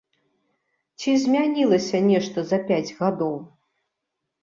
Ці змянілася нешта за пяць гадоў?